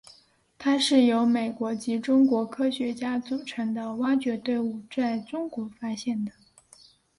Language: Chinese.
它是由美国及中国科学家组成的挖掘队伍在中国发现的。